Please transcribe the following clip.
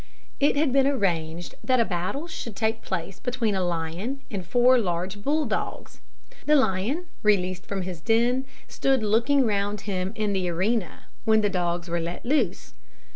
It had been arranged that a battle should take place between a lion and four large bull dogs. The lion, released from his den, stood looking round him in the arena, when the dogs were let loose.